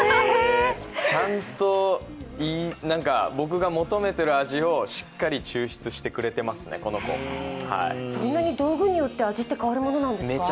ちゃんと僕が求めている味をしっかり抽出してくれてますね、この子道具によってそんなに変わるものなんですか？